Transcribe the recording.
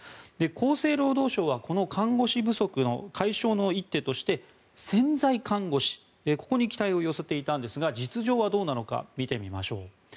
厚生労働省はこの看護師不足の解消の一手として潜在看護師ここに期待を寄せていたんですが実情はどうなのか見てみましょう。